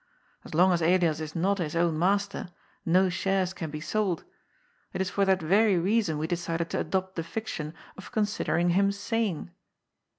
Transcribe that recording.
As long as Elias is not his own master, no shares can be sold. It is for that very rea son we decided to adopt the fiction of considering him sane."